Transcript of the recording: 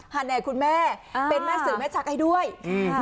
แน่คุณแม่อ่าเป็นแม่สื่อแม่ชักให้ด้วยอืม